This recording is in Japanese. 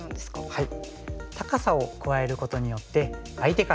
はい。